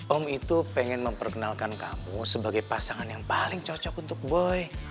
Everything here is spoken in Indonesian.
om itu pengen memperkenalkan kamu sebagai pasangan yang paling cocok untuk boy